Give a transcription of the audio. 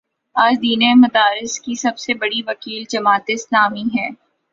آج دینی مدارس کی سب سے بڑی وکیل جماعت اسلامی ہے۔